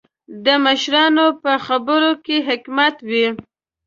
د مشرانو په خبرو کې حکمت وي.